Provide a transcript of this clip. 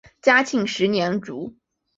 嘉庆十三年卒。